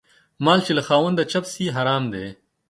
مال چې له خاونده چپ سي حرام دى.